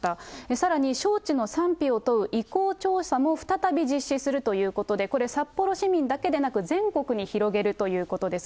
さらに、招致の賛否を問う意向調査も再び実施するということで、これ、札幌市民だけでなく、全国に広げるということです。